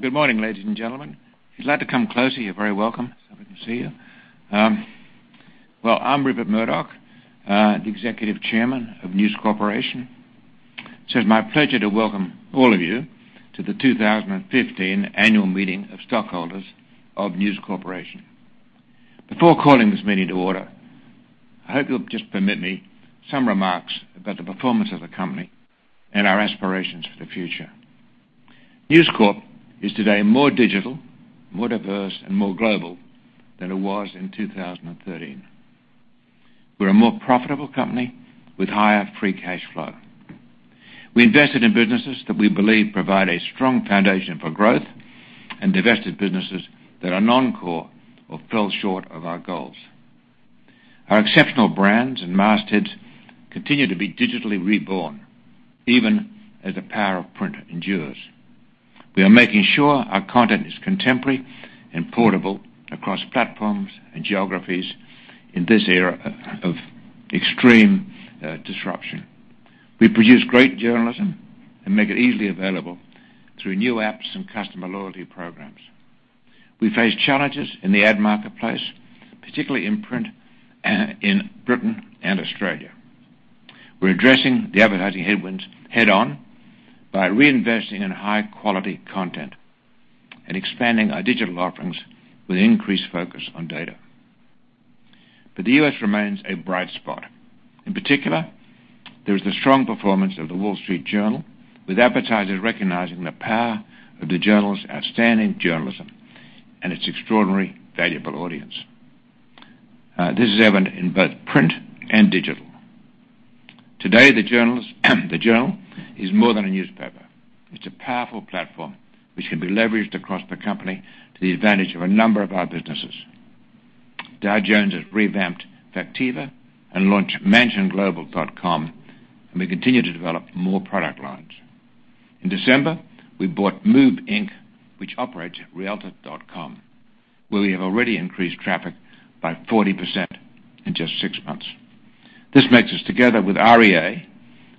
Good morning, ladies and gentlemen. If you'd like to come closer, you're very welcome. We can see you. Well, I'm Rupert Murdoch, the executive chairman of News Corporation. It's my pleasure to welcome all of you to the 2015 annual meeting of stockholders of News Corporation. Before calling this meeting to order, I hope you'll just permit me some remarks about the performance of the company and our aspirations for the future. News Corp is today more digital, more diverse, and more global than it was in 2013. We're a more profitable company with higher free cash flow. We invested in businesses that we believe provide a strong foundation for growth and divested businesses that are non-core or fell short of our goals. Our exceptional brands and mastheads continue to be digitally reborn even as the power of print endures. We are making sure our content is contemporary and portable across platforms and geographies in this era of extreme disruption. We produce great journalism and make it easily available through new apps and customer loyalty programs. We face challenges in the ad marketplace, particularly in print, in Britain and Australia. We're addressing the advertising headwinds head-on by reinvesting in high-quality content and expanding our digital offerings with increased focus on data. The U.S. remains a bright spot. In particular, there is the strong performance of The Wall Street Journal, with advertisers recognizing the power of the Journal's outstanding journalism and its extraordinarily valuable audience. This is evident in both print and digital. Today, the Journal is more than a newspaper. It's a powerful platform which can be leveraged across the company to the advantage of a number of our businesses. Dow Jones has revamped Factiva and launched mansionglobal.com, and we continue to develop more product lines. In December, we bought Move, Inc., which operates Realtor.com, where we have already increased traffic by 40% in just six months. This makes us, together with REA,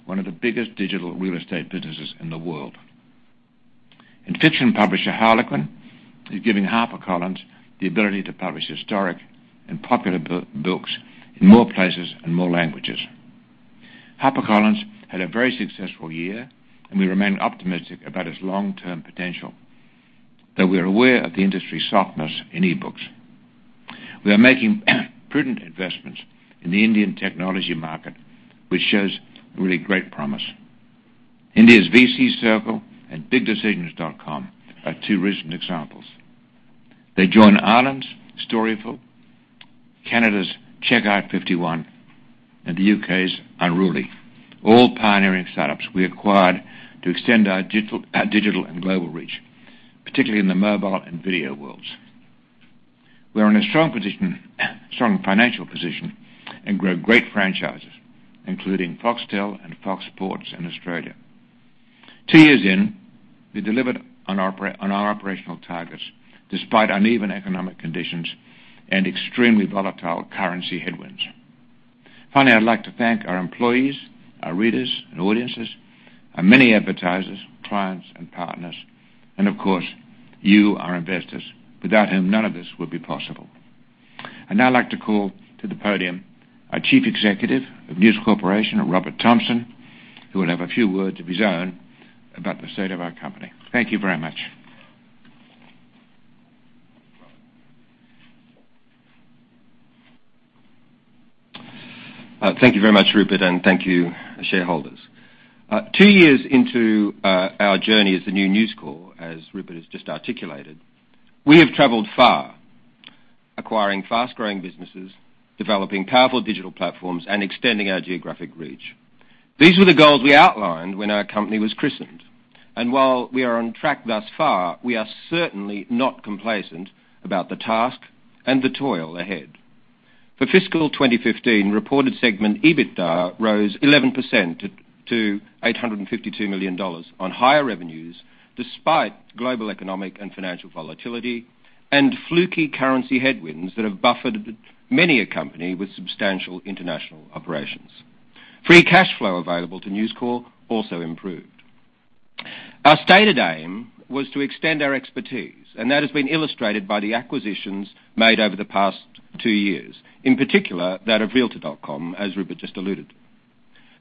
one of the biggest digital real estate businesses in the world. Fiction publisher Harlequin is giving HarperCollins the ability to publish historic and popular books in more places and more languages. HarperCollins had a very successful year, and we remain optimistic about its long-term potential, though we are aware of the industry softness in e-books. We are making prudent investments in the Indian technology market, which shows really great promise. India's VCCircle and BigDecisions.com are two recent examples. They join Ireland's Storyful, Canada's Checkout 51, and the U.K.'s Unruly, all pioneering startups we acquired to extend our digital and global reach, particularly in the mobile and video worlds. We are in a strong financial position and grow great franchises, including Foxtel and Fox Sports in Australia. Two years in, we delivered on our operational targets despite uneven economic conditions and extremely volatile currency headwinds. Finally, I'd like to thank our employees, our readers and audiences, our many advertisers, clients, and partners, and of course, you, our investors, without whom none of this would be possible. I'd now like to call to the podium our chief executive of News Corporation, Robert Thomson, who will have a few words of his own about the state of our company. Thank you very much. Thank you very much, Rupert, and thank you, shareholders. Two years into our journey as the new News Corp, as Rupert has just articulated, we have traveled far, acquiring fast-growing businesses, developing powerful digital platforms, and extending our geographic reach. These were the goals we outlined when our company was christened, while we are on track thus far, we are certainly not complacent about the task and the toil ahead. For fiscal 2015, reported segment EBITDA rose 11% to $852 million on higher revenues, despite global economic and financial volatility and fluky currency headwinds that have buffered many a company with substantial international operations. Free cash flow available to News Corp also improved. Our stated aim was to extend our expertise, and that has been illustrated by the acquisitions made over the past two years, in particular that of Realtor.com, as Rupert just alluded to.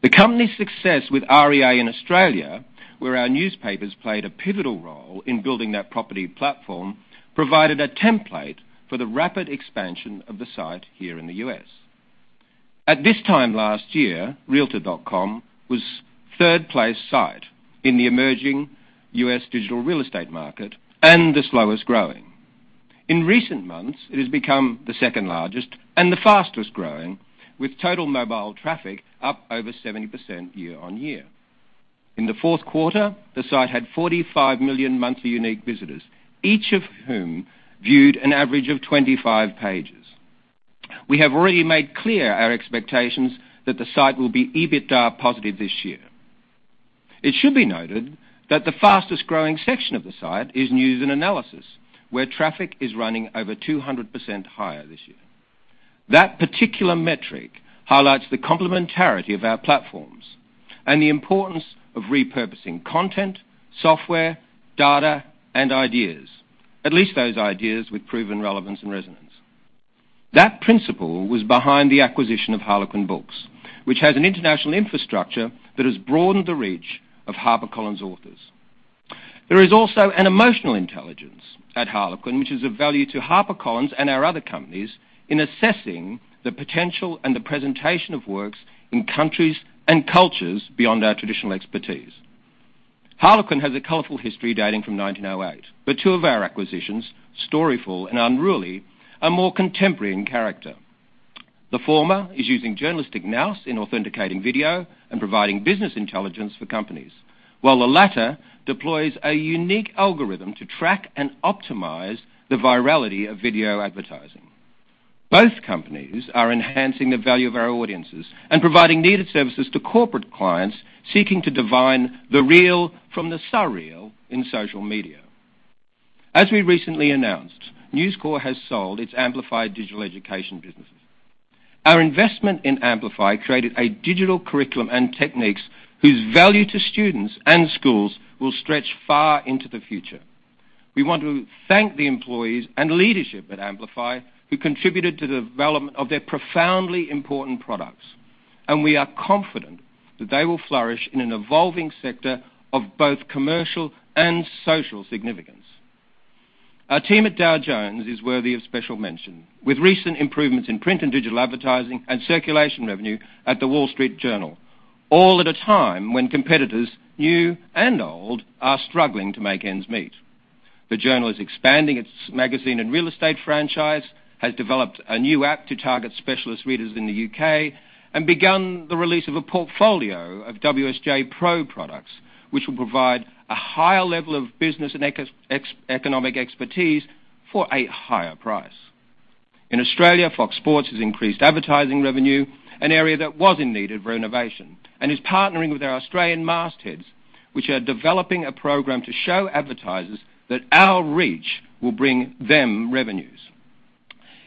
The company's success with REA in Australia, where our newspapers played a pivotal role in building that property platform, provided a template for the rapid expansion of the site here in the U.S. At this time last year, Realtor.com was third-place site in the emerging U.S. digital real estate market and the slowest-growing. In recent months, it has become the second-largest and the fastest-growing, with total mobile traffic up over 70% year-on-year. In the fourth quarter, the site had 45 million monthly unique visitors, each of whom viewed an average of 25 pages. We have already made clear our expectations that the site will be EBITDA positive this year. It should be noted that the fastest-growing section of the site is news and analysis, where traffic is running over 200% higher this year. That particular metric highlights the complementarity of our platforms and the importance of repurposing content, software, data, and ideas, at least those ideas with proven relevance and resonance. That principle was behind the acquisition of Harlequin Books, which has an international infrastructure that has broadened the reach of HarperCollins authors. There is also an emotional intelligence at Harlequin, which is of value to HarperCollins and our other companies in assessing the potential and the presentation of works in countries and cultures beyond our traditional expertise. Harlequin has a colorful history dating from 1908, but two of our acquisitions, Storyful and Unruly, are more contemporary in character. The former is using journalistic nous in authenticating video and providing business intelligence for companies, while the latter deploys a unique algorithm to track and optimize the virality of video advertising. Both companies are enhancing the value of our audiences and providing needed services to corporate clients seeking to divine the real from the surreal in social media. As we recently announced, News Corp has sold its Amplify digital education businesses. Our investment in Amplify created a digital curriculum and techniques whose value to students and schools will stretch far into the future. We want to thank the employees and leadership at Amplify who contributed to the development of their profoundly important products, and we are confident that they will flourish in an evolving sector of both commercial and social significance. Our team at Dow Jones is worthy of special mention. With recent improvements in print and digital advertising and circulation revenue at The Wall Street Journal, all at a time when competitors, new and old, are struggling to make ends meet. The Journal is expanding its magazine and real estate franchise, has developed a new app to target specialist readers in the U.K., and begun the release of a portfolio of WSJ Pro products, which will provide a higher level of business and economic expertise for a higher price. In Australia, Fox Sports has increased advertising revenue, an area that was in need of renovation, and is partnering with our Australian mastheads, which are developing a program to show advertisers that our reach will bring them revenues.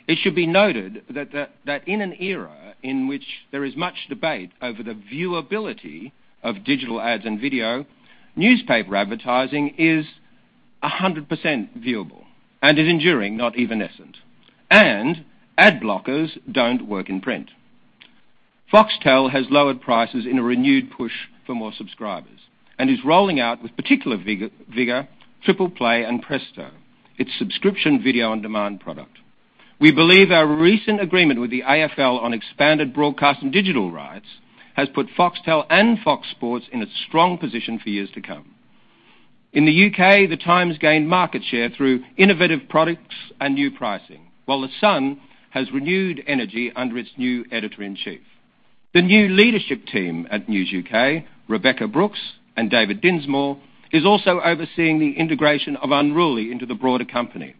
It should be noted that in an era in which there is much debate over the viewability of digital ads and video, newspaper advertising is 100% viewable and is enduring, not evanescent. Ad blockers don't work in print. Foxtel has lowered prices in a renewed push for more subscribers and is rolling out, with particular vigor, Triple Play and Presto, its subscription video on-demand product. We believe our recent agreement with the AFL on expanded broadcast and digital rights has put Foxtel and Fox Sports in a strong position for years to come. In the U.K., The Times gained market share through innovative products and new pricing, while The Sun has renewed energy under its new editor-in-chief. The new leadership team at News UK, Rebekah Brooks and David Dinsmore, is also overseeing the integration of Unruly into the broader company,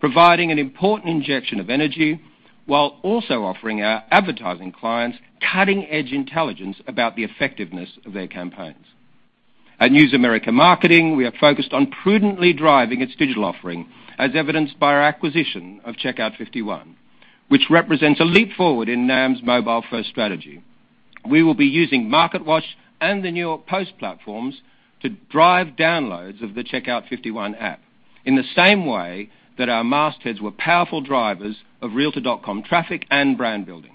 providing an important injection of energy while also offering our advertising clients cutting-edge intelligence about the effectiveness of their campaigns. At News America Marketing, we are focused on prudently driving its digital offering, as evidenced by our acquisition of Checkout 51, which represents a leap forward in NAM's mobile-first strategy. We will be using MarketWatch and the New York Post platforms to drive downloads of the Checkout 51 app in the same way that our mastheads were powerful drivers of Realtor.com traffic and brand building.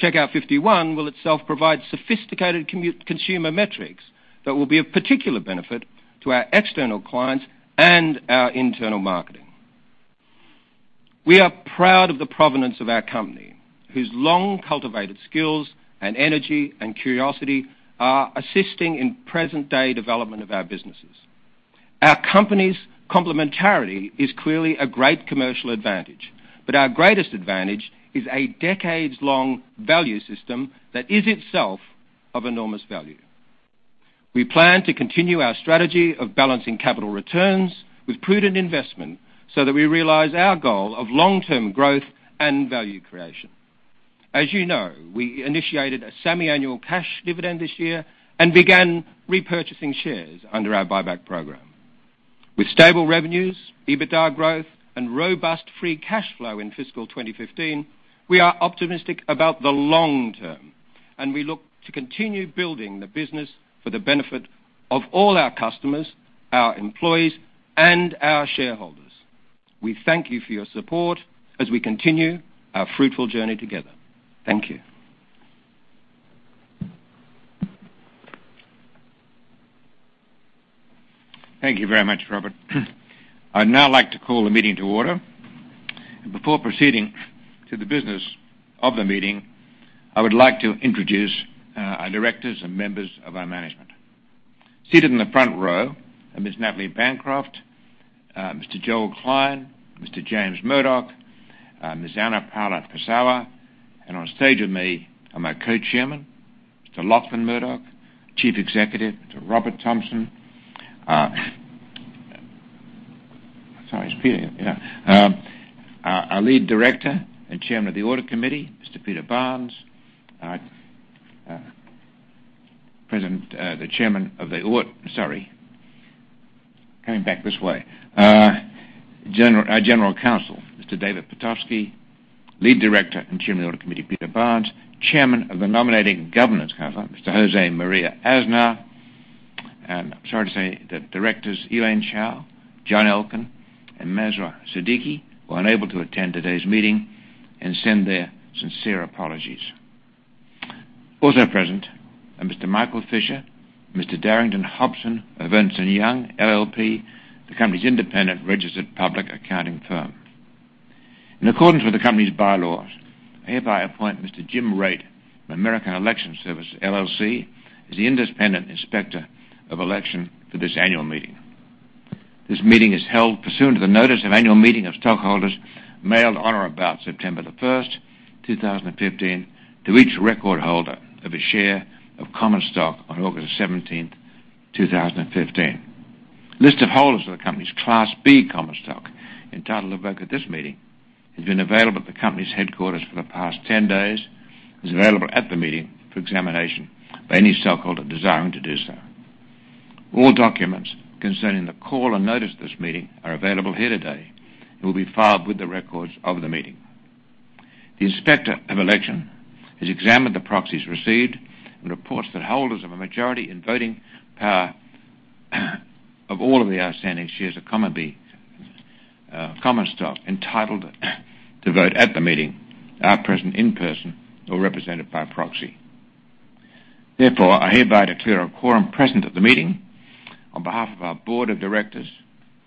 Checkout 51 will itself provide sophisticated consumer metrics that will be of particular benefit to our external clients and our internal marketing. We are proud of the provenance of our company, whose long-cultivated skills and energy and curiosity are assisting in present-day development of our businesses. Our company's complementarity is clearly a great commercial advantage, but our greatest advantage is a decades-long value system that is itself of enormous value. We plan to continue our strategy of balancing capital returns with prudent investment that we realize our goal of long-term growth and value creation. As you know, we initiated a semiannual cash dividend this year and began repurchasing shares under our buyback program. With stable revenues, EBITDA growth, and robust free cash flow in fiscal 2015, we are optimistic about the long term. We look to continue building the business for the benefit of all our customers, our employees, and our shareholders. We thank you for your support as we continue our fruitful journey together. Thank you. Thank you very much, Robert. I'd now like to call the meeting to order. Before proceeding to the business of the meeting, I would like to introduce our Directors and members of our management. Seated in the front row are Ms. Natalie Bancroft, Mr. Joel Klein, Mr. James Murdoch, Ana Paula Pessoa, and on stage with me are my Co-Chairman, Mr. Lachlan Murdoch, Chief Executive, Mr. Robert Thomson. Our Lead Director and Chairman of the Audit Committee, Mr. Peter Barnes. Our General Counsel, Mr. David Pitofsky, Lead Director and Chairman of the Audit Committee, Peter Barnes, Chairman of the Nominating and Corporate Governance Committee, Mr. José María Aznar. I'm sorry to say that Directors Elaine Chao, John Elkann, and Masroor Siddiqui were unable to attend today's meeting and send their sincere apologies. Also present are Mr. Michael Fisher, Mr. Darrington Hobson of Ernst & Young LLP, the company's independent registered public accounting firm. In accordance with the company's bylaws, I hereby appoint Mr. James J. Raitt from American Election Services, LLC as the independent inspector of election for this annual meeting. This meeting is held pursuant to the notice of annual meeting of stockholders mailed on or about September 1, 2015, to each record holder of a share of common stock on August 17, 2015. List of holders of the company's Class B common stock entitled to vote at this meeting has been available at the company's headquarters for the past 10 days, is available at the meeting for examination by any stockholder desiring to do so. All documents concerning the call and notice of this meeting are available here today and will be filed with the records of the meeting. The Inspector of Election has examined the proxies received and reports that holders of a majority in voting power of all of the outstanding shares of common stock entitled to vote at the meeting are present in person or represented by a proxy. I hereby declare a quorum present at the meeting. On behalf of our Board of Directors,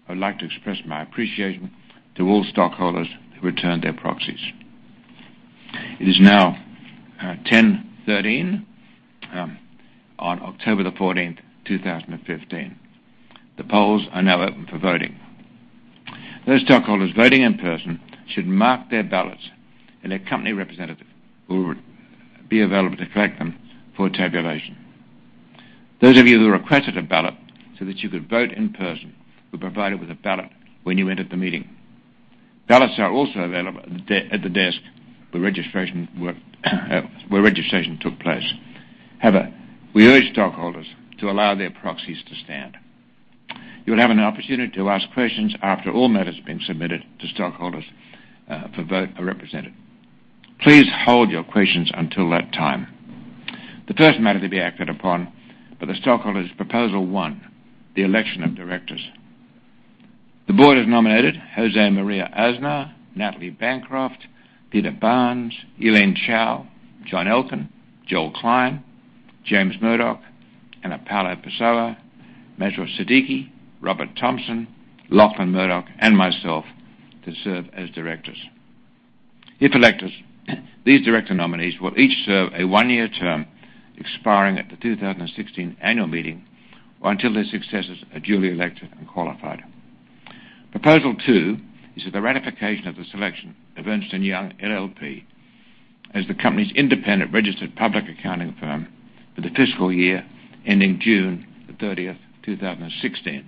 I would like to express my appreciation to all stockholders who returned their proxies. It is now 10:13 A.M. on October 14, 2015. The polls are now open for voting. Those stockholders voting in person should mark their ballots, and a company representative will be available to collect them for tabulation. Those of you who requested a ballot so that you could vote in person were provided with a ballot when you entered the meeting. Ballots are also available at the desk where registration took place. We urge stockholders to allow their proxies to stand. You'll have an opportunity to ask questions after all matters have been submitted to stockholders for vote are represented. Please hold your questions until that time. The first matter to be acted upon by the stockholders is Proposal 1, the election of Directors. The Board has nominated José María Aznar, Natalie Bancroft, Peter Barnes, Elaine Chao, John Elkann, Joel Klein, James Murdoch, Ana Paula Pessoa, Masroor Siddiqui, Robert Thomson, Lachlan Murdoch, and myself to serve as Directors. If elected, these Director nominees will each serve a one-year term expiring at the 2016 annual meeting or until their successors are duly elected and qualified. Proposal 2 is the ratification of the selection of Ernst & Young LLP as the company's independent registered public accounting firm for the fiscal year ending June 30, 2016.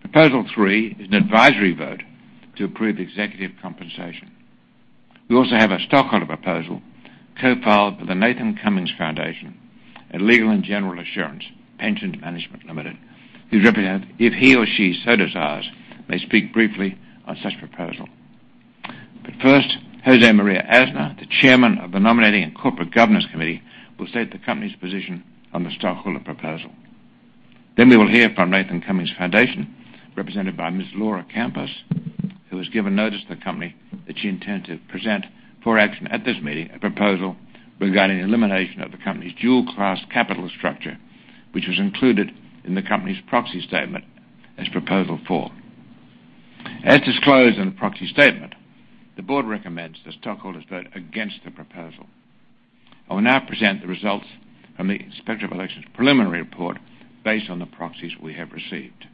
Proposal three is an advisory vote to approve executive compensation. We also have a stockholder proposal co-filed by the Nathan Cummings Foundation and Legal & General Assurance Pension Management Limited, whose representative, if he or she so desires, may speak briefly on such proposal. First, José María Aznar, the Chairman of the Nominating and Corporate Governance Committee, will state the company's position on the stockholder proposal. Then we will hear from Nathan Cummings Foundation, represented by Ms. Laura Campos, who has given notice to the company that she intends to present for action at this meeting a proposal regarding elimination of the company's dual class capital structure, which was included in the company's proxy statement as proposal 4. As disclosed in the proxy statement, the board recommends the stockholders vote against the proposal. I will now present the results from the Inspector of Elections preliminary report based on the proxies we have received.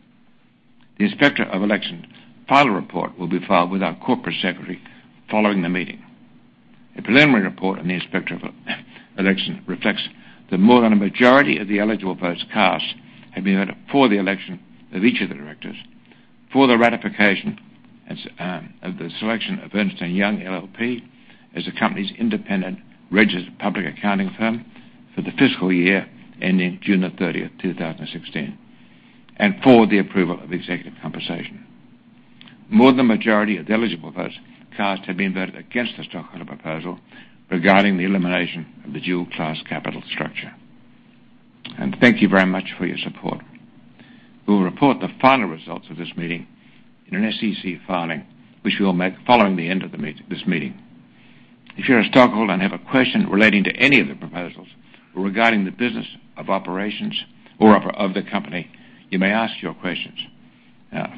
The Inspector of Elections final report will be filed with our corporate secretary following the meeting. A preliminary report on the Inspector of Elections reflects that more than a majority of the eligible votes cast have been voted for the election of each of the directors for the ratification of the selection of Ernst & Young LLP as the company's independent registered public accounting firm for the fiscal year ending June the 30th, 2016, and for the approval of executive compensation. More than a majority of the eligible votes cast have been voted against the stockholder proposal regarding the elimination of the dual class capital structure. Thank you very much for your support. We will report the final results of this meeting in an SEC filing, which we will make following the end of this meeting. If you're a stockholder and have a question relating to any of the proposals or regarding the business of operations or of the company, you may ask your questions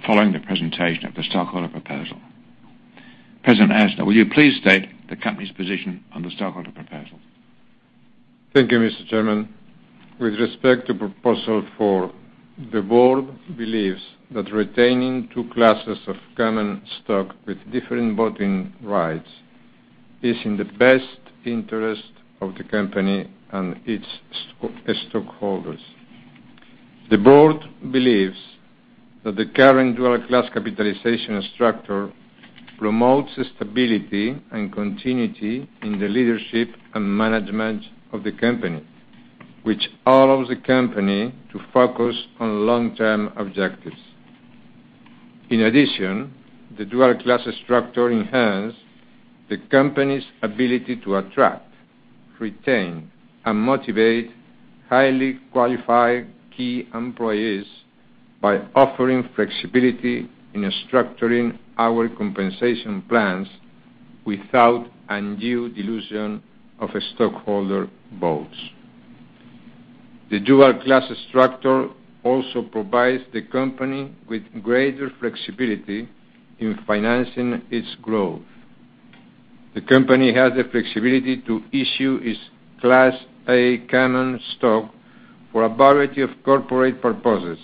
following the presentation of the stockholder proposal. President Aznar, will you please state the company's position on the stockholder proposal? Thank you, Mr. Chairman. With respect to proposal 4, the board believes that retaining two classes of common stock with different voting rights is in the best interest of the company and its stockholders. The board believes that the current dual class capitalization structure promotes stability and continuity in the leadership and management of the company, which allows the company to focus on long-term objectives. In addition, the dual class structure enhances the company's ability to attract, retain, and motivate highly qualified key employees by offering flexibility in structuring our compensation plans without undue dilution of stockholder votes. The dual class structure also provides the company with greater flexibility in financing its growth. The company has the flexibility to issue its Class A common stock for a variety of corporate purposes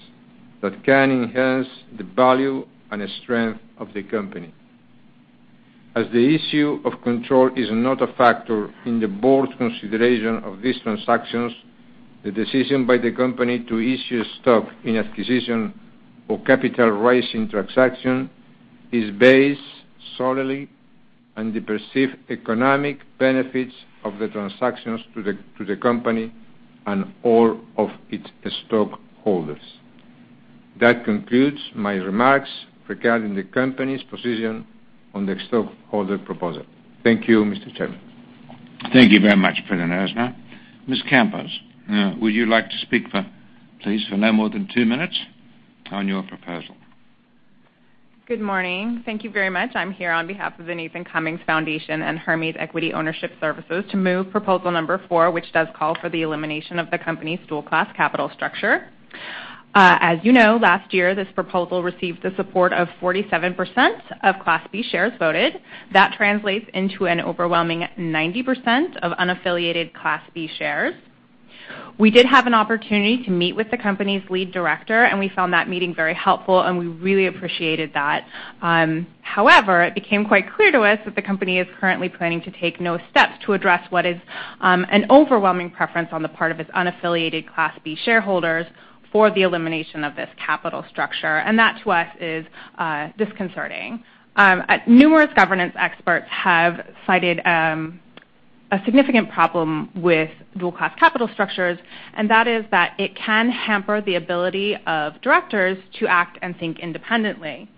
that can enhance the value and strength of the company. As the issue of control is not a factor in the board's consideration of these transactions, the decision by the company to issue stock in acquisition or capital raising transaction is based solely on the perceived economic benefits of the transactions to the company and all of its stockholders. That concludes my remarks regarding the company's position on the stockholder proposal. Thank you, Mr. Chairman. Thank you very much, José María Aznar. Ms. Campos, would you like to speak, please, for no more than two minutes on your proposal? Good morning. Thank you very much. I'm here on behalf of the Nathan Cummings Foundation and Hermes Equity Ownership Services to move proposal number four, which does call for the elimination of the company's dual class capital structure. As you know, last year, this proposal received the support of 47% of Class B shares voted. That translates into an overwhelming 90% of unaffiliated Class B shares. We did have an opportunity to meet with the company's lead director, and we found that meeting very helpful, and we really appreciated that. However, it became quite clear to us that the company is currently planning to take no steps to address what is an overwhelming preference on the part of its unaffiliated Class B shareholders for the elimination of this capital structure, and that, to us, is disconcerting. Numerous governance experts have cited a significant problem with dual class capital structures, and that is that it can hamper the ability of directors to act and think independently.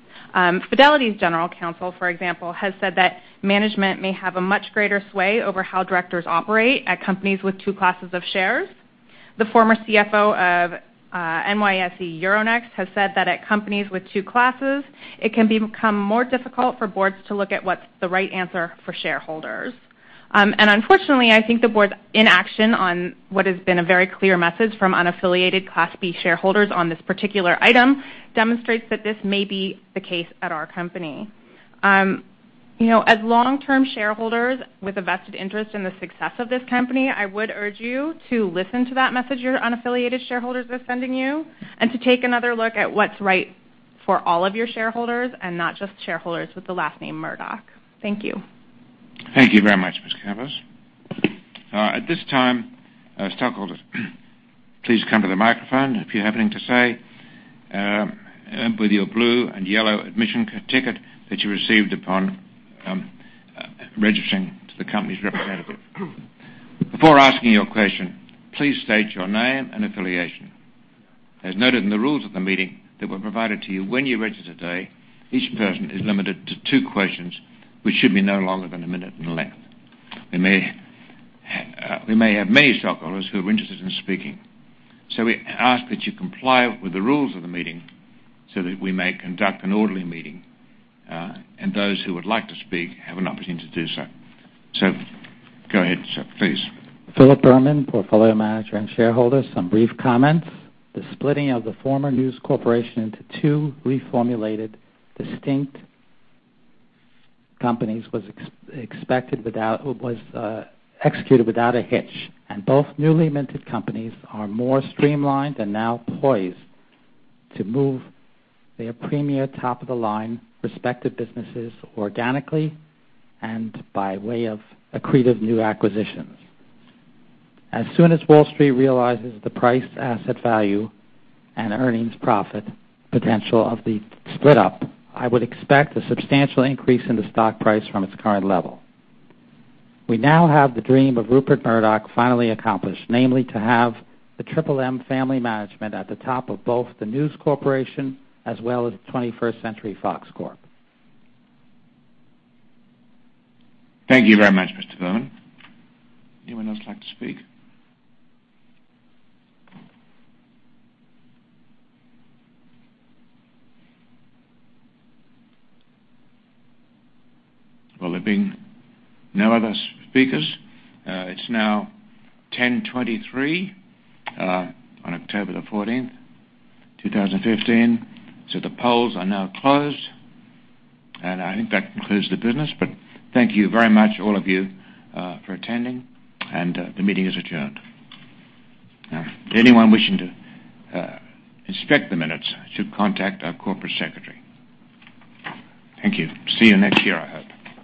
Fidelity's general counsel, for example, has said that management may have a much greater sway over how directors operate at companies with 2 classes of shares. The former CFO of NYSE Euronext has said that at companies with 2 classes, it can become more difficult for boards to look at what's the right answer for shareholders. Unfortunately, I think the board's inaction on what has been a very clear message from unaffiliated Class B shareholders on this particular item demonstrates that this may be the case at our company. As long-term shareholders with a vested interest in the success of this company, I would urge you to listen to that message your unaffiliated shareholders are sending you and to take another look at what's right for all of your shareholders and not just shareholders with the last name Murdoch. Thank you. Thank you very much, Ms. Campos. At this time, stockholders, please come to the microphone if you're having to say with your blue and yellow admission ticket that you received upon registering to the company's representative. Before asking your question, please state your name and affiliation. As noted in the rules of the meeting that were provided to you when you registered today, each person is limited to two questions, which should be no longer than one minute in length. We may have many stockholders who are interested in speaking. We ask that you comply with the rules of the meeting so that we may conduct an orderly meeting, and those who would like to speak have an opportunity to do so. Go ahead, sir. Please. Philip Berman, portfolio manager and shareholder. Some brief comments. The splitting of the former News Corporation into two reformulated, distinct companies was executed without a hitch, and both newly minted companies are more streamlined and now poised to move their premier top-of-the-line respective businesses organically and by way of accretive new acquisitions. As soon as Wall Street realizes the price, asset value, and earnings profit potential of the split-up, I would expect a substantial increase in the stock price from its current level. We now have the dream of Rupert Murdoch finally accomplished, namely to have the triple M family management at the top of both the News Corporation as well as 21st Century Fox Corp. Thank you very much, Mr. Berman. Anyone else like to speak? Well, there being no other speakers, it's now 10:23 A.M. on October the 14th, 2015. The polls are now closed, and I think that concludes the business. Thank you very much, all of you, for attending, and the meeting is adjourned. Anyone wishing to inspect the minutes should contact our corporate secretary. Thank you. See you next year, I hope.